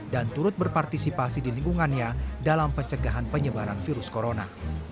dan turut berpartisipasi di lingkungannya dalam pencegahan penyebaran virus corona